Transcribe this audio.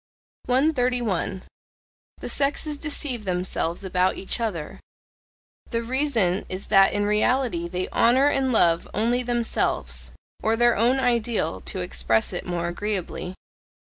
131. The sexes deceive themselves about each other: the reason is that in reality they honour and love only themselves (or their own ideal, to express it more agreeably).